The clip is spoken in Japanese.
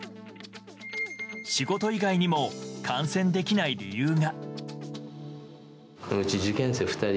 仕事以外にも感染できない理由が。